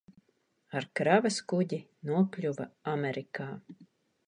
Ar kravas kuģi nokļuva Amerikā.